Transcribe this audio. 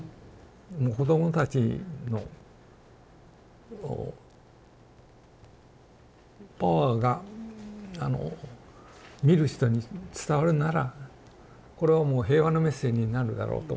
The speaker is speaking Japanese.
もう子どもたちのパワーがあの見る人に伝わるんならこれはもう平和のメッセージになるだろうと思ってまして。